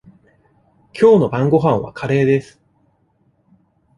きょうの晩ごはんはカレーです。